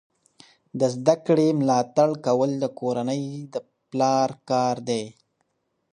د زده کړې ملاتړ کول د کورنۍ د پلار کار دی.